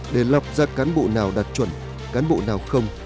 để lọc ra cán bộ nào đạt chuẩn cán bộ nào không